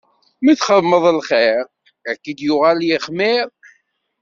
Mi txedmeḍ lxiṛ, ad ak-yuɣal d ixmiṛ.